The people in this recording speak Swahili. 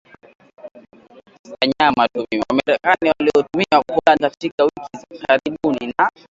wa Marekani waliotumwa Poland katika wiki za karibuni na